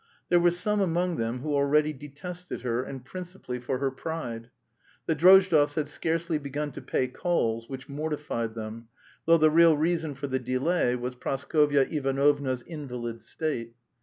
There were some among them who already detested her, and principally for her pride. The Drozdovs had scarcely begun to pay calls, which mortified them, though the real reason for the delay was Praskovya Ivanovna's invalid state.